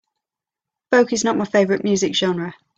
Folk is not my favorite music genre.